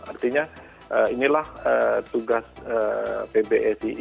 artinya inilah tugas pbsi